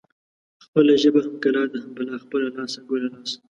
خپله ژبه هم کلا ده هم بلا. خپله لاسه ګله لاسه.